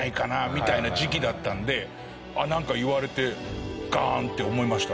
みたいな時期だったんでなんか言われてガーン！って思いました。